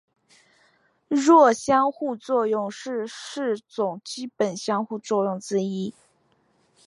弱相互作用是四种基本相互作用之一。